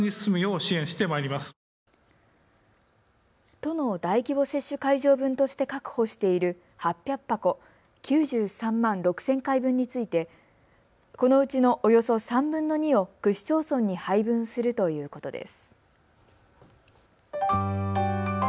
都の大規模接種会場分として確保している８００箱、９３万６０００回分についてこのうちのおよそ３分の２を区市町村に配分するということです。